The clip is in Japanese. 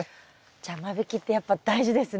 じゃあ間引きってやっぱ大事ですね。